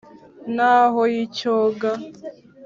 ntaho y’icyoga,